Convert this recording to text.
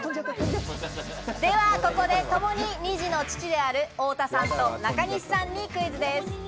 ではここで、ともに２児の父である太田さんと中西さんにクイズです。